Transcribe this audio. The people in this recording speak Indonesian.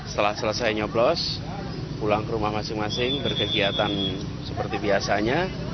setelah selesai nyoblos pulang ke rumah masing masing berkegiatan seperti biasanya